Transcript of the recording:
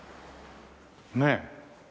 ねえ。